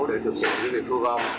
để thực hiện như việc thu gom